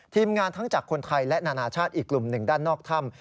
ทีมงานทั้งจากคนไทยและนานาชาติอีกกลุ่มหนึ่งด้านนอกถ้ำ